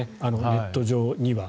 ネット上には。